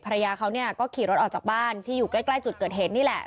ภรรยาเขาก็ขี่รถออกจากบ้านที่อยู่ใกล้จุดเกิดเหตุนี่แหละ